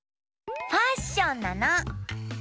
ファッションなの！